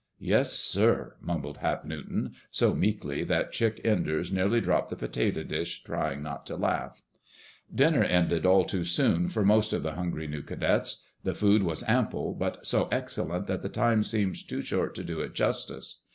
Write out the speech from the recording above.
"Yes, sir," mumbled Hap Newton, so meekly that Chick Enders nearly dropped the potato dish, trying not to laugh. Dinner ended all too soon for most of the hungry new cadets. The food was ample, but so excellent that the time seemed too short to do it justice.